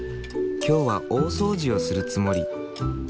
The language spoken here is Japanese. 今日は大掃除をするつもり。